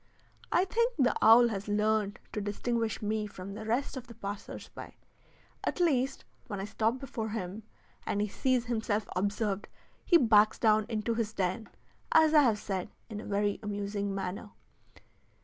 I think the owl has learned to distinguish me from the rest of the passers by; at least, when I stop before him, and he sees himself observed, he backs down into his den, as I have said, in a very amusing manner.